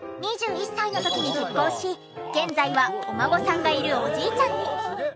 ２１歳の時に結婚し現在はお孫さんがいるおじいちゃんに。